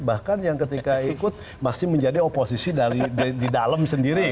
bahkan yang ketika ikut masih menjadi oposisi di dalam sendiri